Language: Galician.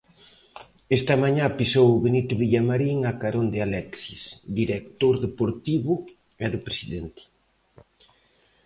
Esta mañá pisou o Benito Villamarín a carón de Alexis, director deportivo e do presidente.